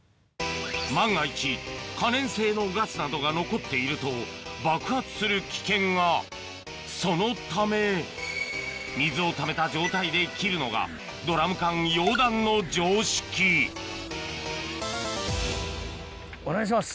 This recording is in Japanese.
万が一可燃性のガスなどが残っているとそのため水をためた状態で切るのがドラム缶溶断の常識お願いします。